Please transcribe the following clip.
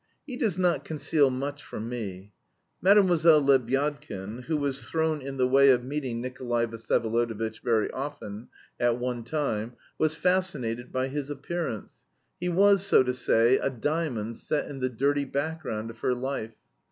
He does not conceal much from me. Mlle. Lebyadkin, who was thrown in the way of meeting Nikolay Vsyevolodovitch very often, at one time, was fascinated by his appearance. He was, so to say, a diamond set in the dirty background of her life.